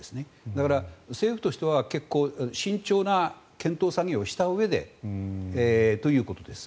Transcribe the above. だから、政府としては結構、慎重な検討作業をしたうえでということです。